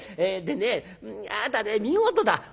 でねあなた見事だ。